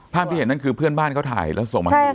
ที่เห็นนั่นคือเพื่อนบ้านเขาถ่ายแล้วส่งมาให้ดู